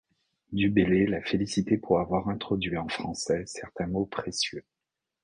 Du Bellay l'a félicité pour avoir introduit en français certains mots précieux.